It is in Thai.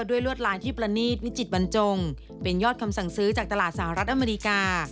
ลวดลายที่ประณีตวิจิตบรรจงเป็นยอดคำสั่งซื้อจากตลาดสหรัฐอเมริกา